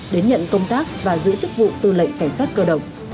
đến nhận công tác và giữ chức vụ tư lệnh cảnh sát cơ động